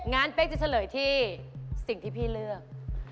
งั้นเป๊กจะเฉลยที่สิ่งที่พี่เลือก